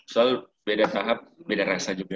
soal beda tahap beda rasa juga